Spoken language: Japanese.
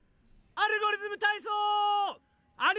「アルゴリズムたいそう」！